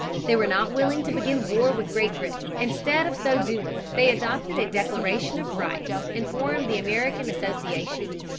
They were not willing to begin war with Great Britain. Instead of so doing they adopted a Declaration of Rights and formed the American Association.